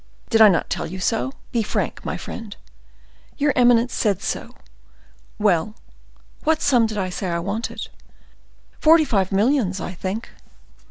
Did I not tell you so? Be frank, my friend." "Your eminence said so." "Well, what sum did I say I wanted?" "Forty five millions, I think."